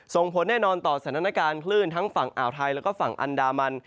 ส่งผลแน่นอนต่อสถานการณ์คลื่นทั้งฝั่งอ่าวไทยแล้วก็ฝั่งอันดามัน